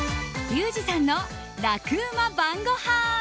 リュウジさんの楽ウマ晩ごはん。